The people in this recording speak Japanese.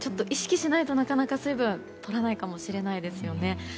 意識しないとなかなか水分は取らないかもしれないですよね。